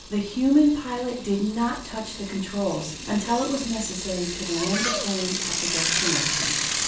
The human pilot did not touch the controls until it was necessary to land the plane at the destination.